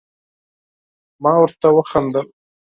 ما ورته وخندل ،